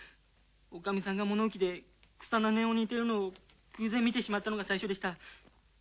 女将さんが物置で草の根を煮てるのを偶然見てしまったのが最初でした。